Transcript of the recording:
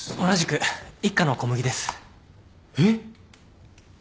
同じく一課の小麦です。えっ！？